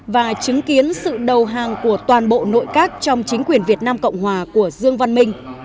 và chứng kiến sự đầu hàng của toàn bộ nội các trong chính quyền việt nam cộng hòa của dương văn minh